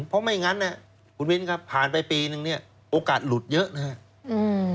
เพราะไม่งั้นเนี่ยคุณมิ้นครับผ่านไปปีนึงเนี่ยโอกาสหลุดเยอะนะครับ